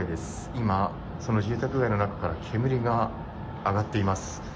今、その住宅街の中から煙が上がっています。